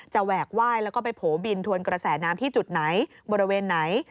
แหวกไหว้แล้วก็ไปโผล่บินทวนกระแสน้ำที่จุดไหนบริเวณไหน